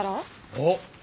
あっ。